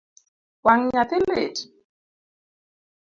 Wang’ nyathi lit?